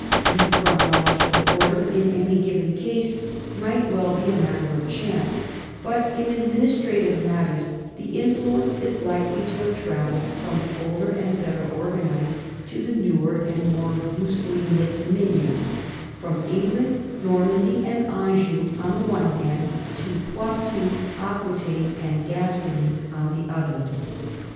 The chronological order in any given case might well be a matter of chance; but in administrative mat ters the influence is likely to have travelled from the older and better organized to the newer and more loosely knit dominions, from England, Normandy, and Anjou on the one hand to Poitou, Aquitaine, and Gas cony on the other.